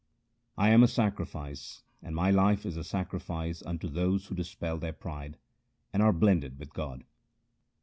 I am a sacrifice, and my life is a sacrifice unto those who dispel their pride, and are blended with God.